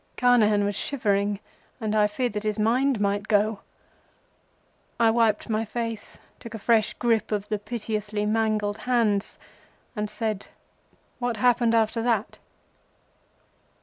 Carnehan was shivering, and I feared that his mind might go. I wiped my face, took a fresh grip of the piteously mangled hands, and said:—"What happened after that?"